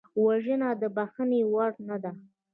وژنه د بښنې وړ نه ده